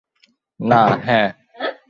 না, হ্যাঁ।